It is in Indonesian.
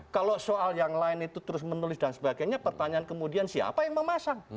kalau soal yang lain itu terus menulis dan sebagainya pertanyaan kemudian siapa yang memasang